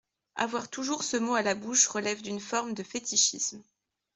Avoir toujours ce mot à la bouche relève d’une forme de fétichisme.